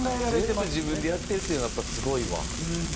全部自分でやってるっていうのがやっぱすごいわ。